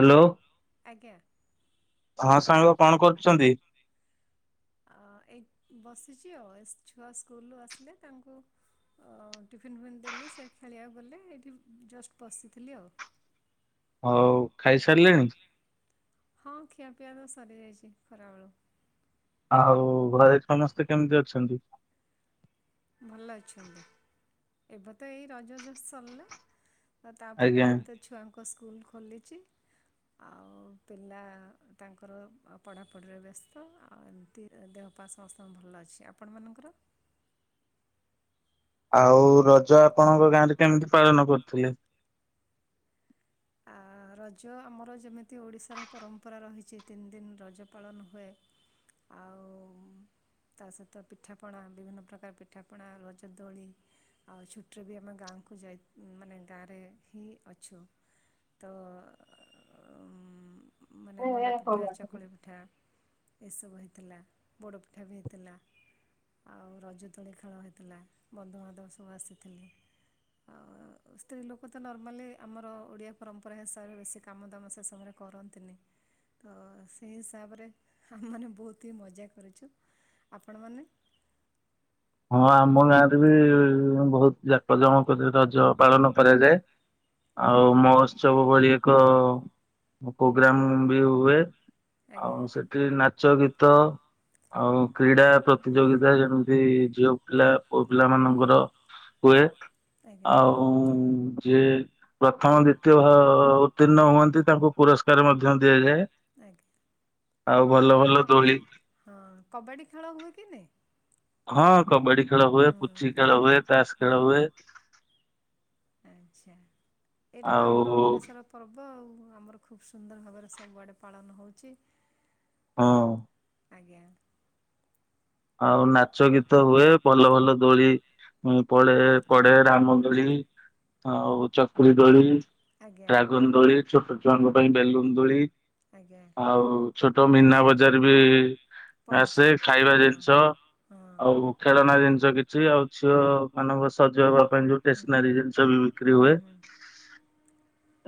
Hello. ଆଜ୍ଞା। ହଁ ସାଙ୍ଗ କଣ କରୁଛନ୍ତି? ଆ ଏଇ ବସିଛି ଆଉ ଛୁଆ ସ୍କୁଲରୁ ଆସିଲେ ତାଙ୍କୁ ଟିଫିନ୍ ଫିଫନ୍ ଦେଲି ସେ ଖେଳିବାକୁ ଗଲେ ଏଇଠି ଜଷ୍ଟ ବସିଥିଲି ଆଉ ହଉ ଖାଇସାରିଲେଣି? ହଁ ଖିଆ ପିିବା ତ ସରି ଯାଇଛି ଖରାବେଳୁ ଆଉ ଘରେ ସମସ୍ତେ କେମିତି ଅଛନ୍ତି ଭଲ ଅଛନ୍ତି ଏବେ ତ ଏଇ ରଜ ଜୋ ସରିଲା ଆଉ ତାପରେ ଆଜ୍ଞା। ଏଇତ ଛୁଆଙ୍କ ସ୍କୁ ସ୍କୁଲ ଖୋଲିଚି ଆଉ ପିଲା ତାଙ୍କର ପଢାପଢିରେ ବ୍ୟସ୍ତ ଆଉ ଏମିତି ଦେହପା ସମସ୍ତଙ୍କ ଭଲ ଅଛି। ଆପଣମାନଙ୍କର? ଆଉ ରଜ ଆପଣଙ୍କ ଗାଁରେ କେମିତି ପାଳନ କରୁଥିଲେ? ଆ ରଜ ଆମର ଯେମିତି ଓଡିଶାର ପରମ୍ପରା ରହିଚି ତିନି ଦିନ ରଜ ପାଳନ ହୁଏ। ଆଉ ତା ସହିତ ପିଠାପଣା ବିଭିନ୍ନ ପ୍ରକାର ପିଠାପଣା ରଜ ଦୋଳି ଆଉ ଛୁଟିରେ ବି ଆମେ ଗାଁକୁ ଯାଇ ମାନେ ଗାଁରେ ହିଁ ଅଛୁ। ତ ମାନେ ମଣ୍ଡା ପିଠା ଚକୁଳି ପିଠା ଏସବୁ ହେଇଥିଲା ବୋଡ ପିଠା ବି ହେଇଥିଲା ଆଉ ରଜ ଦୋଳି ଖେଳ ହେଇଥିଲା‌। ବନ୍ଧୁବାଧବ ସବୁ ଆସିଥିଲେ ଆଉ ସ୍ତ୍ରୀ ଲୋକ ତ ନର୍ମାଲି ଆମର ଓଡିଆ ପରମ୍ପରା ହିସାବରେ ବେଶି କାମ ଦାମ ସେ ସମୟରେ କରନ୍ତିନି ତ ସେହି ହିସାବରେ ଆମେମାନେ ବୋହୁତ ହିଁ ମଜା କରିଚୁ। ଆପଣମାନେ ହଁ ଆମ ଗାଁରେ ବି ବୋହୁତ ଜାକ ଜକମରେ ରଜ ପାଳନ କରାଯାଏ। ଆଉ ଆଜ୍ଞା। ମହୋତ୍ସବ ଭଳି ଏକ ପ୍ରୋଗ୍ରାମ ବି ହୁଏ। ଆଜ୍ଞା ଆଉ ସେଥରେ ନା ଚ ଗୀତ ଆଉ କ୍ରିଡା ପ୍ରତିଯୋଗିତା ଯେମିତି ଝିଅ ପିଲା ପୁଅ ପିଲା ମାନଙ୍କର ହୁଏ। ଆଜ୍ଞା ଆଉ ଯିଏ ପ୍ରଥମ ଦ୍ଵିତୀୟ ଉତ୍ତୀର୍ଣ୍ଣ ହୁଅନ୍ତି ତାଙ୍କୁ ପୁରସ୍କାର ମଧ୍ୟ ଦିଆଯାଏ। ଆଜ୍ଞା ଆଉ ଭଲ ଭଲ ଆପଣମାନଙ୍କର ଦୋଳି ହଁ କବାଡି ଖେଳ ହୁଏ କି ନାଇ! ହଁ କବାଡି ଖେଳ ହୁଏ ପୁଚି ଖେଳ ହୁଏ ଚାସ ଖେଳ ହୁଏ। ଆଛା। ଏଇଟା ତ ଆଉ ଆମର ଓଡିଶାର ପରମ୍ ହେବ ଆଉ ଆମର ଖୁବ୍ ସୁନ୍ଦର ଭାବରେ ସବୁଆଡ଼େ ପାଳନ ହୋଉଚି। ହଁ। ଆଜ୍ଞା ଆଉ ନାଚ ଗୀତ ହୁଏ ଭଲ ଭଲ ଦୋଳି ପଳେ ପଡେ ରାମ ଦୋଳି ଆଉ ଚକରି ଦୋଳି ଆଜ୍ଞା ଡ୍ରାଗନ ଗଳି ଛୋଟ ଛୁଆଙ୍କ ପାଇଁ ବେଲୁନ୍ଦୁଳି ଆଜ୍ଞା ହଉ ଛୋଟ ମୀନା ବଜାର ବି ଆସେ ପଢିଛି ଖାଇବା ହଁ ଜିନିଷ ହଁ ଆଉ ଖେଳନା ଜିନିଷ କିଛି ଆଉ ଝିଅ ମାନଙ୍କ ସଜବ ହୁଁ ସନାର ସ ବିକ୍ରି ହୁଏ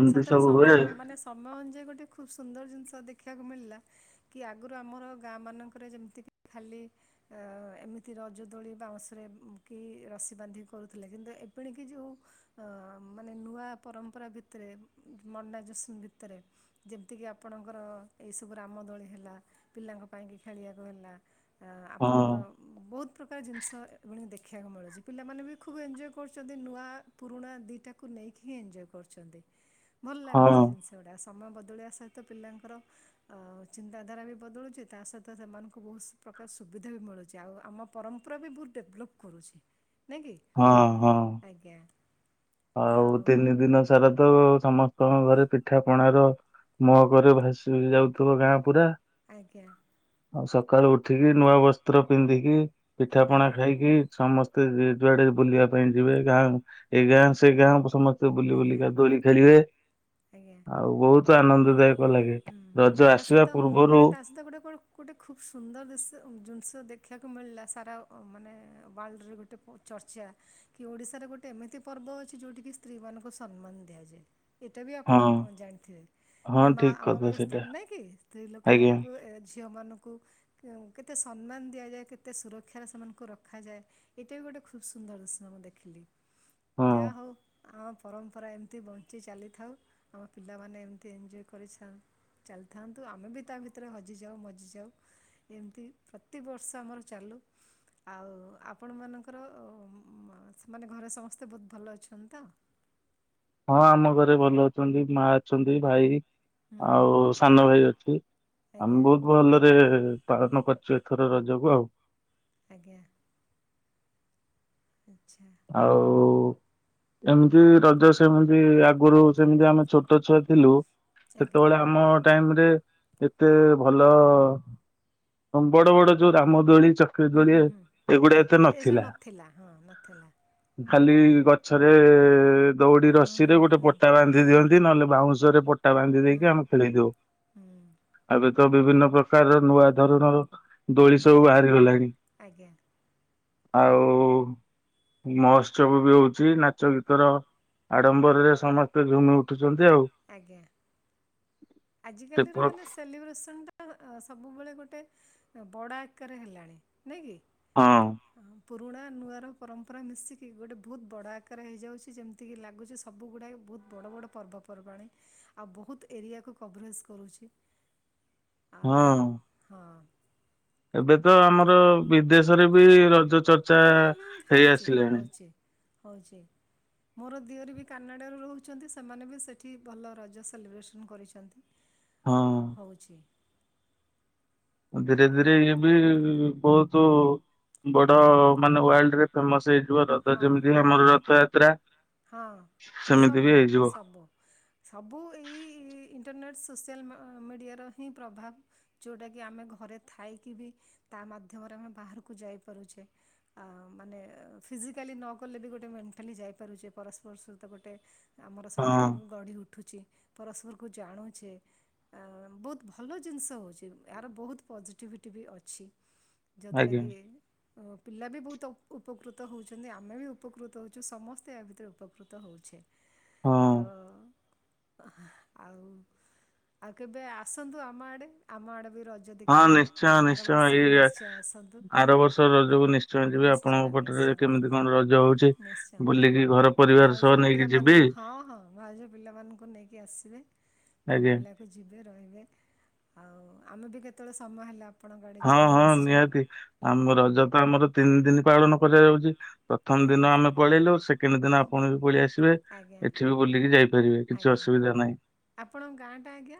ଏମିତି ସେତରେ ସବୁ ସମୟ ହୁଏ ମାନେ ସମୟ ଅନୁଯାୟୀ ଗୋଟେ ଖୁବ ସୁନ୍ଦର ଜିନିଷ ଦେଖ। ଦେଖିବାକୁ ମିଳିଲା କି ଆଗରୁ ଆମର ଗାଁ ମାନଙ୍କରେ ଯେମିତିକି ଖାଲି ଏମିତି ରଜ ଦୋଳି ବାଉଁଶରେ କି ରସି ବାନ୍ଧିକ କରୁଥିଲେ କିନ୍ତୁ ଏପଣିକି ଯେଉଁ ମାନେ ନୂଆ ପରମ୍ପରା ଭିତ। ଭିତରେ ମନା ଜୋସ ଭିତରେ ଯେମିତିକି ଆପଣଙ୍କର ଏଇ ସବୁ ରାମ ଦୋଳି ହେଲା ପିଲାଙ୍କ ପାଇଁକି ଖେଳିବାକୁ ହେଲା। ହଁ ଆପଣଙ୍କର ବହୁତ। ସବୁ ପ୍ରକାର ଜିନିଷ ଏୁଣି ଦେଖିବାକୁ ମିଳୁଛି ପିଲାମାନେ ବି ଖୁବ୍ ଏଞଜୟ କରୁଛନ୍ତି ନୂଆ ପୁରୁଣା ଦୁଇଟାକୁ ନେଇକି ହିଁ ଏନ୍ଜୟ କରୁଛନ୍ତି। ଭଲ ଲାଗୁଛି ହଁ ଜିନିଷ। ସମୟ ବଦଳିବା ସହିତ ପିଲାଙ୍କର ଚିନ୍ତାଧାରା ବି ବଦଳୁଛି ତା ସହିତ ସେମାନଙ୍କୁ ବହୁତ ପ୍ରକାର ସୁବିଧା ବି ମିଳୁଛି ଆଉ ଆମ ପରମ୍ପରା ବି ବହୁତ ଡେଭଲପ୍ କରୁଛି। ନାଇଁ କି ହଁ ହଁ। ଆଜ୍ଞା। ଆଉ ତିନି ଦିନ ସାରା ତ। ସମସ୍ତଙ୍କ ଘରେ ପିଠା ପଣା ର ମହକରେ ଭାସି ଯାଉଥିବ ଗାଁ ପୁରା। ଆଜ୍ଞା। ଆଉ ସକାଳୁ ଉଠିକି ନୂଆ ବସ୍ତ୍ର ପିନ୍ଧିକି। ପିଠା ପଣା ଆଜ୍ଞା ଖାଇକି ସମସ୍ତେ। ଯୁଆଡେ ବୁଲିବା ପାଇଁ ଯିବେ ଗାଁ ଏଇ ଗାଁ। ସେ ଗାଁ ସମସ୍ତ। ବୁଲି ଆଜ୍ଞା ବୁଲିକା ଦୋଳି ଖେଳିବେ ଆଜ୍ଞା ଆଉ ବହୁତ। ଆନନ୍ଦଦାୟକ। ଲାଗେ। ହୁଁ ରଜ ତା ଆସିବା ସହିତ ପୂର୍ବରୁ ମାନେ ତା ସହିତ ଗୋଟେ ଗୋଟେ ଖୁବ ସୁନ୍ଦର ଜିନିଷ ଦେଖ ଦେଖିବାକୁ ମିଳିଲା ସାରା ମାନେ ୱାର୍ଲଡରେ ଗୋଟେ ଚର୍ଚ୍ଚା କି ଓଡିଶାରେ ଗୋଟେ ଏମିତି ପର୍ବ ଅଛି ଯୋଉଠ କିି ସ୍ତ୍ରୀ ମାନଙ୍କୁ ସମ୍ମାନ ଦିଆଯାଏ। ଏଇଟା ବି ଆପଣ ହଁ ଜାଣିଥିବେ ହଁ ମାନେ ମା। ଠିକ ଆମ କଥା ଘରେ ସେଇଟା ସ୍ତ୍ରୀ ନାଇଁ କି ସ୍ତ୍ରୀ ଲୋକ ଆଜ୍ଞା ମାନଙ୍କୁ ଏଜ୍। ଝିଅମାନଙ୍କୁ କେତେ ସମ୍ମାନ ଦିଆଯାଏ କେତେ ସୁରକ୍ଷାରେ ସେମାନଙ୍କୁ ରଖାଯାଏ ଏଇଟା ବି ଗୋଟେ ଖୁବ ସୁନ୍ଦର ଦର୍ଶନ ମୁଁ ଦେଖିଲି ହଁ ଯାହା ହଉ ଆମ ପରମ୍ପରା ଏମିତି ବଞ୍ଚି ଚାଲିଥାଉ ଆମ ପିଲାମାନେ ଏମିତି ଏଞ୍ଜୟ୍ କରିଥାଉ। ଚାଲିଥାନ୍ତୁ ଆମେ ବି ତା ଭିତରେ ହଜିଯାଉ ମଜିଯାଉ ଏମିତି ପ୍ରତିବର୍ଷ ଆମର ଚାଲୁ ଆଉ ଆପଣମାନଙ୍କର ମାନେ ଘରେ ସମସ୍ତେ ବହୁତ ଭଲ ଅଛନ୍ତି ତ। ହଁ ଆମ ଘରେ ଭଲ ଅଛନ୍ତି ମା ଅଛନ୍ତି ଭାଇ। ହୁଁ ଆଉ ସାନ ଭାଇ ଅଛି ଆମେ ଆଜ୍ଞା ବହୁତ ଭଲରେ। ପାଳନ କରିଛୁ ଏଥର ରଜକୁ ଆଉ। ଆଜ୍ଞା। ଆଛା। ଆଉ ଏମିତି ରଜ ସେମିତି ଆଗରୁ ସେମିତି ଆମେ ଛୋଟ ଛୁଆ ଥିଲୁ ଆଜ୍ଞା ସେତେବେଳେ ଆମ ଟାଇମ ରେ ଏତେ ଭଲ ବଡ ବଡ ଯୋଉ ରାମ ଦୋଳି ଚକ୍ରି ହୁଁ ଦୋଳି ହୁଁ ଏଗୁଡା ଏତେ ହୁଁ ଏସବୁ ନଥିଲା ହଁ ନଥିଲା। ଖାଲି ହୁଁ ଗଛରେ ଦୌଡ଼ି ହୁଁ ରସିରେ ହୁଁ ଗୋଟେ ହୁଁ ପଟା ବାନ୍ଧି ଦିଅନ୍ତି ନହେଲେ ବାଉଁ [unintelligible] ବାନ୍ଧି ଦେଇକି ହୁଁ ଆମେ ଖେଳିଦଉ ହୁଁ ଆ ତ ବିଭିନ୍ନ ପ୍ରକାରର ନୂଆ ଧରଣର ଦୋଳି ସବୁ ବାହାରିଗଲାଣି। ଆଜ୍ଞା ଆଉ ମହୋତ୍ସବ ବି ହଉଚି ନାଚ ଗୀତର ଆଡମ୍ବରରେ ସମସ୍ତେ ଝୁମି ଉଠୁ ଆଜ୍ଞା ସେ ଆଜିକାଲିର ପ୍ର ମାନେ ସେଲିବ୍ରେସନ ଟା ସବୁବେଳେ ଗୋଟେ ବଡ଼ ଆକାରରେ ହେଲାଣି। ନାଇଁ କି? ହଁ ପୁରୁଣା ନୂଆର ପରମ୍ପରା ମିଶିକି ଗୋଟେ ବହୁତ ବଡ଼ ଆକାରେ ହେଇଯାଉଛି ଯେମିତିକି ଲାଗୁଛି ସବୁଗୁଡ଼ା ବହୁତ ବଡ଼ ବଡ଼ ପର୍ବ ପର୍ବାଣୀ ଆଉ ବୋହୁତ ଏରିଆକୁ କଭରେଜ କରୁଚି। ହଁ। ଏବେ ତ ଆମର ବିଦେଶରେ ବି ରଜ ଚର୍ଚ୍ଚା ହୁଁ ହୁଁ ହେଇ ହଉଛି ଆସିଲାଣି। ହଉଛି ହଉଛି ମୋର ଦିଅରୀ ବି କାନାଡ଼ାରୁ ରହୁଛନ୍ତି ସେମାନେ ବି ସେଇଠି ଭଲ ରଜ ସେଲିବ୍ରେସନ୍ କରିଛନ୍ତି। ଅ ହଁ ହଉଛି। ଧୀରେ ଆ ଧୀରେ ଇଏ ବି ବହୁତ [unintelligible] ବଡ ମାନେ ୱାର୍ଲଡ ରେ ଫେମସ ହେ ହଁ ହଁ ହଁ ସେମିତି ବି ସବୁ ହେଇଯିବ ସବୁ ସବୁ ଏଇ ଇଣ୍ଟରନେଟସ୍ ସୋସିଆଲ ମ ମିଡ଼ିଆର ହିଁ ପ୍ରଭାବ ଯେଉଟାକି ଆମେ ଘରେ ଥାଇକିବି ତା ମାଧ୍ୟମରେ ଆମେ ବାହାରକୁ ଯାଇପାରୁଛେ ଆ ମାନେ ଫିଜିକାଲି ନ କଲେ ବି ଗୋଟେ ମେଣ୍ଟାଲି ଯାଇପାରୁଛେ ପରସ୍ପର ସହିତ ଗୋଟେ ଆମର ହଁ ସମ୍ପର୍କ ଗଢି ଉଠୁଛି। ପରସ୍ପରକୁ ଜାଣୁଛେ ଏ ବହୁତ ଭଲ ଜିନିଷ ହେଉଛି ଏହାର ବହୁତ ପଜେଟିଭିଟି ବି ଅଛି ଯାଦ୍ଵାରା ଆଜ୍ଞା କି ପିଲାବି ବହୁତ ଉପକୃତ ତ ହେଉଛନ୍ତି ଆମେ ବି ଉପକୃତ ହେଉଛୁ ସମସ୍ତେ ଏହା ଭିତରେ ଉପକୃତ ହୋଉଛେ। ହଁ। ଆଉ ଆଉ କେବେ ଆସନ୍ତୁ ଆମ ଆଡେ ଆମ ଆଡେ ବି ରଜ ହଁ ଦେଖିବେ ନିଶ୍ଚୟ ଆର ନିଶ୍ଚୟ ବର୍ଷକୁ ଏଇ ନିଶ୍ଚୟ ଆସନ୍ତୁ ଆର ବର୍ଷ ରଜକୁ ନିଶ୍ଚୟ ଯିବି ଆପଣଙ୍କ ପଟରେ କେମିତି କଣ ରଜ ହଉଛି? ନିଶ୍ଚୟ ବୁଲିକି ଘର ପରିବାର ସହ ଭାଉଜ ନେଇକି ଯିବି ପିଲାମାନଙ୍କୁ ହଁ ହଁ ଭାଉଜ ପିଲାମାନଙ୍କୁ ନେଇକି ଆସିବେ ବୁଲି ଆଜ୍ଞା ବୁଲାକୁ ଯିବେ ରହିବେ। ଆଉ ଆ ମୁଁ ବି କେତେବେଳେ ସମୟ ହେଲେ ଆପ୍ ହଁ ହଁ ନିହାତି ଆମ ରଜ ତ ଆମର ତିନି ଦିନ ପାଳନ କରା ଯାଉଚି। ପ୍ରଥମ ଆଜ୍ଞା ଦିନ ଆମେ ପଳେଇଲୁ ସେକେଣ୍ଡ ଦିନ ଆପ୍ ପଣ ବି ପାଳେଇ ଆସି ବେ ଆଜ୍ଞା ଏଠି ବି ବୁଲିକି ଯାଇପାରିବେ କିଛି ଆଜ୍ଞା ଅସୁବିଧା ନାହିଁ। ଆପଣଙ୍କ ଗାଁଟା ଆଜ୍ଞା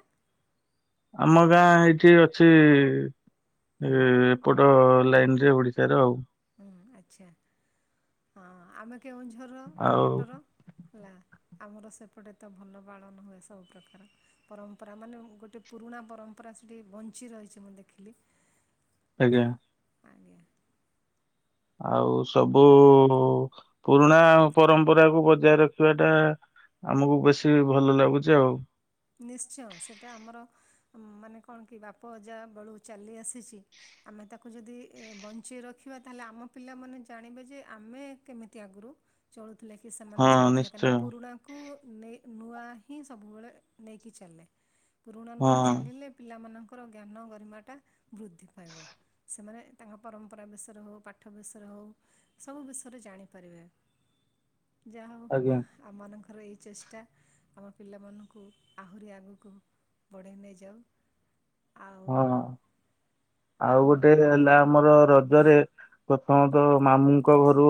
ଆମ ଗାଁ ଏଇଠି ଅଛି ଏ ଏପଟ ଲାଇନ ରେ ଓଡିଶାର ଆଉ। ଆଛା ହଁ ଆମେ କେଉଁଝରର ଆଉ ପଟର ହେଲା। ଆମର ସେପଟେ ତ ଭଲ ପାଳନ ହୁଏ ସବୁ ପ୍ରକାର ପରମ୍ପରା ମାନେ ଗୋଟେ ପୁରୁଣା ପରମ୍ପରା ସେଠି ବଞ୍ଚି ରହିଚି ମୁଁ ଦେଖିଲି। ଆଜ୍ଞା। ଆଜ୍ଞା। ଆଉ ସବୁ ପୁରୁଣା ପରମ୍ପରାକୁୁ ବଜାୟ ରଖିବା ଟା ଆମକୁ ବେଶୀ ଭଲ ଲାଗୁଚି ଆଉ। ନିଶ୍ଚୟ ସେଟା ଆମର ମାନେ କଣ କି ବାପ ଅଯା ବେଳୁ ଚାଲି ଆସିଚି ଆମେ ତାକୁ ଯଦି ବଞ୍ଚେଇ ରଖିବା ତାହେଲେ ଆମ ପିଲାମାନେ ଜାଣିବେ ଯେ ଆମେ କେମିତି ଆଗରୁ ଚଳୁ ଥିଲେ କି ସେମାନେ ହଁ ଚଳୁଥିଲେ କାଇଁକି ନା ନିଶ୍ଚୟ ପୁରୁଣାକୁ ନେଇ ନୂଆ ହିଁ ସବୁବେଳେ ନେଇକ ଚାଲେ। ପୁରୁଣା ହଁ ନୂଆ ଚାଲିଲେ ପିଲାମାନଙ୍କ ର ଜ୍ଞାନ ଗରିମାଟା ବୃଦ୍ଧି ପାଇବ ସେମାନେ ତାଙ୍କ ପରମ୍ପରା ବିଷୟରେ ହୋଉ ପାଠ ବିଷୟରେ ହୋଉ ସବୁ ବିଷୟରେ ଜାଣିପାରିବେ। ଯାହା ହୋଉ ଆଜ୍ଞା ଆମ ମାନଙ୍କ ର ଏଇ ଚେଷ୍ଟା ଆମ ପିଲାମାନଙ୍କୁ ଆହୁରି ଆଗକୁ ବଢ଼େଇ ନେଇଯାଉ। ଆଉ ହଁ। ଆଉ ଗୋଟେ ହେଲା ଆମର ର ରେ ପ୍ରଥମତଃ ମାମୁଁଙ୍କ ଘରୁ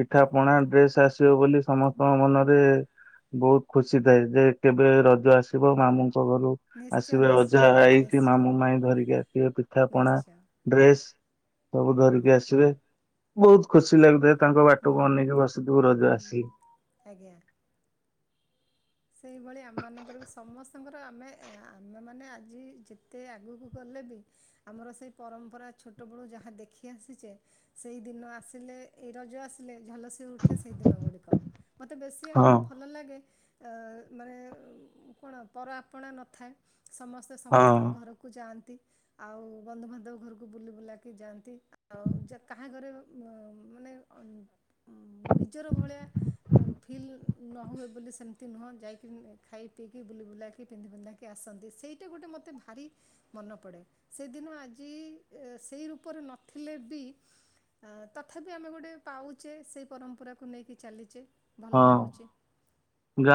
ପିଠା ପଣା ଡ୍ରେସ୍ ଆସିବ ବୋଲି ସମସ୍ତଙ୍କ ମନରେ ବୋହୁତ ଖୁସି ଥାଏ ଯେ କେବେ ରଜ ଆସିବ ମାମୁଁଙ୍କୁ ଘରୁ ନିଶ୍ଚୟ ଆସିବେ ନିଶ୍ଚୟ ଅଜା ଆଇକି ନିଶ୍ଚୟ ମାମୁଁ ମାଇଁ ଧରିକି ଆସିବେ। ଠା ପଣା ନିଶ୍ଚୟ ଡ୍ରେସ୍ ସବୁ ହଁ ଧରିକି ଆସିବେ ବୋହୁତ ଖୁସି ଲାଗୁଥାଏ। ତାଙ୍କ ବାଟକୁ ହୁଁ ଅନେଇକି ବସଥିବୁ ରଜ ଆସିଲେ। ଆଜ୍ଞା ସେଇଭଳି ଆମମାନଙ୍କର ବି ସମସ୍ତଙ୍କର ଆମେ ଆମେମାନେ ଆଜି ଯେତେ ଆଗକୁ ଗଲେ ବି ଆମର ସେଇ ପରମ୍ପରା ଛୋଟବେଳୁ ଯାହା ଦେଖି ଆସିଛେ। ସେଇ ଦିନ ଆସିଲେ ଏଇ ରଜ ଆସିଲେ ଝଲସି ଉଠେ ସେଇ ଦିନ ଗୁଡିକ ମତେ ବେଶୀ ହଁ ଆଗରୁ ଭଲ ଲାଗେ। ମାନେ କଣ ପର ଆପଣା ନଥାଏ। ସମସ୍ତେ ହଁ। ସମସ୍ତଙ୍କ ଘରକୁ ଯାଆନ୍ତି। ଆଉ ବନ୍ଧୁବାନ୍ଧବ ଘରକୁ ବୁଲି ବୁଲାକି ଯାଆନ୍ତି ଆଉ କାହା ଘରେ ମାନେ ନିଜର ଭଳିଆ ଫିଲ୍ ନ ହଏ ବୋଲି ସେନ୍ ତି ନୁହଁ ଯାଇକି ଖାଇ ପିଇକି ବୁଲି ବୁଲାକି ପିନ୍ଧି ପିନ୍ଧାକି ଆସନ୍ତି। ସେଇଟା ଗୋଟେ ମୋତେ ଭାରି ମନ ପଡ଼େ ସେଦିନ ଆଜି ସେଇ ରୂପରେ ନଥିଲେ ବି ତଥାପି ଆମେ ଗୋଟେ ପାଉଛେ ସେଇ ପରମ୍ପରାକୁ ନେଇକି ଚାଲିଛେ। ଭଲ ହଁ ଲାଗୁଛି।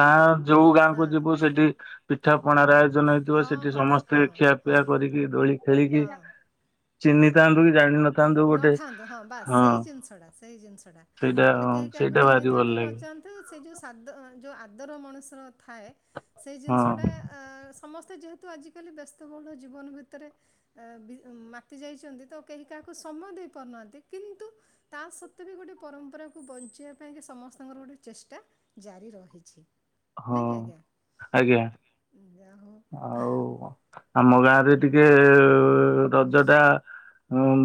ନାଇଁ କି ଯୋଉ ଗାଁ କ ହଁ ଯିବୁ ସେଠି ପିଠା ପଣାାର ଆୟୋଜନ ହେଇଥିବ ହଁ ସେଠି ହଁ ହଁ ସମସ୍ତେ ଖିଆ ପିଆ ହଁ କରିକି ଡୋଳି ଖେଳିକି ହଁ ଚିହ୍ନି ଥାନ୍ତୁ କି ଜାଣିନ ନଥାନ୍ତୁ ହଁ ବାସ ସେଇ ଜିନିଷ ଟା ସେଇ ଜିନିଷ ଟା ସେଇଟା ମାନେ ହଁ କେହି କାହାକୁ ସେଇଟା ଭାରି ଭଲ ଚିହ୍ନିଥାନ୍ତୁ ଲାଗେ ନଚନ୍ତୁ ତ ସେ ଯୋଉ ସାଦ ଯ ଆ ଆଦର ମଣିଷର ଥାଏ ସେ ଜିନିଷଟା ହଁ ଆ ଆ ସ ସମସ୍ତେ ଯେହେତୁ ଆଜିକାଲି ବ୍ୟସ୍ତବହୁଳ ଜୀବନ ଭିତରେ ମାତି ଯାଇଛନ୍ତି ତ କେହି କାହା ସମୟ ଦେଇପାରୁନାହାନ୍ତି କିନ୍ତୁ ତା ସତ୍ତ୍ୱେ ବି ଗୋଟଏ ପରମ୍ପରାକୁ ବଞ୍ଚିବା ପାଇଁକ ସମସ୍ତଙ୍କର ଗୋଟେ ଚେଷ୍ଟା ଜାରି ରହିଛି। ହଁ ନାଇଁ କି ଆଜ୍ଞା ଆଜ୍ଞା ଯା ହଉ ଆଉ ଆମ ଗାଁରେ ଟିକେ ରଜ ଟା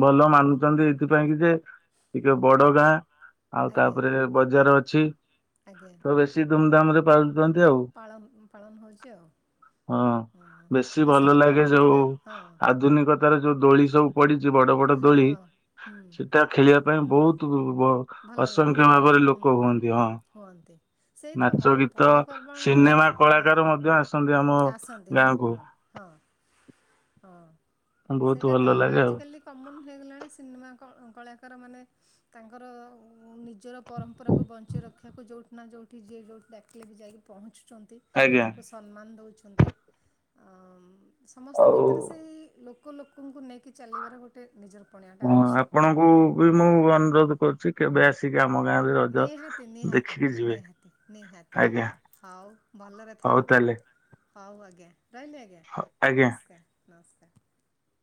ଭଲ ମାନୁଛନ୍ତି ଏଇଥିପାଇଁ କି ଯେ ଟିକେ ବଡ ଗାଁ ଆଉ ଆଜ୍ଞା ତାପରେ ବଜାର ଅଛି। ଆଜ୍ଞା ତ ବେଶୀ ଧୁମ କାମରେ ପାଲ ଯାଆନ୍ତି ଆଉ ପାଳନ ପାଳନ ହେଉଛି ଆଉ ହଁ ବେଶୀ ଭଲ ଲୋକ ଲାଗେ ଯୋଉ ହଉଥିବେ ହଁ ଆଧୁନିକତାର ଯୋଉ ଦୋଳି ସବୁ ପଡିଛି ଯୋଉ ବଡ ବଡ ହଁ ଦୋଳି ହଁ ହୁଁ ସେଇଟା ଖେଳିବା ପାଇଁ ବହୁତ୍ ବହୁତ ଭଲ ଅସଂଖ୍ୟ ଲାଗୁଛି ଭାବରେ ହୁଁ ଲୋକ ହୁଁ ହୁଅନ୍ତି ହଁ ହୁଅନ୍ତି ସେଇ ତ ନାଚ ମ- ଗୀତ ତ ପର୍ବପର୍ବାଣିର ସିନେମା ହଁ କଳାକାର ମଧ୍ୟ ଆସନ୍ତି ଆମ ଗାଁ କୁ ହୁଁ ସେଇଟା ଭଲ ତ ଲାଗେ ଆଉ ଆଜିିକାଲି କମନ ହେଇଗଲାଣି ସିନେମା କଳା ତାର ମାନେ ତାଙ୍କ ତାଙ୍କର ନିଜର ପରମ୍ପରାକୁ ବଞ୍ଚେଇ ରଖିବାକୁ ଯେଉଁଠି ନା ଯେଉଁଠି ଯିଏ ଯେଉଠି ଡାକିଆସିବେ ଯାଇି ପହଞ୍ଚୁ ଆଜ୍ଞା ତାକୁ ସମ୍ମାନ ଦଉଛ ଅଛନ୍ତି ଆଉ [unintelligible] ସମସ୍ତଙ୍କ ଆଉ ଭିତରେ ସେଇ ଲୋକ ଲୋକ ଲୋକଙ୍କୁ ନେଇକି ଚାଲିବାର ଗୋଟେ ନିଜର ପଣିଆଟା ହଁ ଅଛି। ଆପଣଙ୍କୁ ବି ମୁଁ ଅନୁରୋଧ କରୁଛି କେବେ ଆସିକି ଆପ ନିହାତି ନିହାତି ନିହାତି ନିହାତି ଆଜ୍ଞା ହଉ ଭଲରେ ହଉ ଥାଆନ୍ତୁ। ତାହେଲେ ହଉ ଆଜ୍ଞା ରହିଲି ଆଜ୍ଞା ଆଜ୍ଞା। ନମସ୍କାର। ନମସ୍କାର